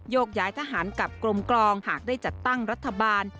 กย้ายทหารกับกลมกลองหากได้จัดตั้งรัฐบาล